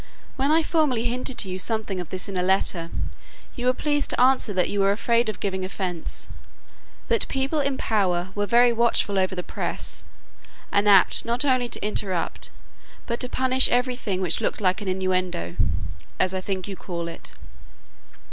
When I formerly hinted to you something of this in a letter, you were pleased to answer that you were afraid of giving offence; that people in power were very watchful over the press, and apt not only to interpret, but to punish every thing which looked like an innuendo (as I think you call it).